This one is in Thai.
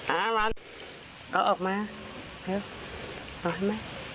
เอาออกมาเอาให้ไหม